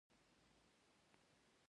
هندوکش د هېواد په هره برخه کې دی.